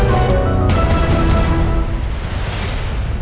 kalau kamu benar benar ingin bersama anak kamu